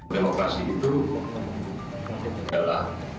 demokrasi itu adalah